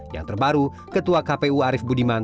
yang terbaru ketua kpu arief budiman